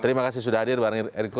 terima kasih sudah hadir bang eriko